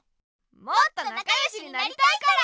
もっとなかよしになりたいから！